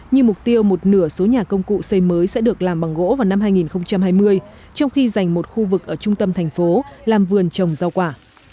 như mục tiêu một nửa số nhà công cụ xây mới sẽ được làm bằng gỗ vào năm hai nghìn hai mươi trong khi dành một khu vực ở trung tâm thành phố làm vườn trồng rau quả